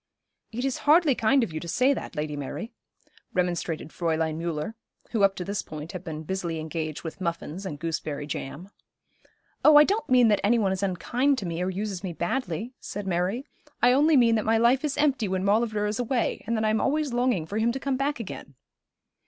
'It is hardly kind of you to say that, Lady Mary,' remonstrated Fräulein Müller, who, up to this point, had been busily engaged with muffins and gooseberry jam. 'Oh, I don't mean that any one is unkind to me or uses me badly,' said Mary. 'I only mean that my life is empty when Maulevrier is away, and that I am always longing for him to come back again.'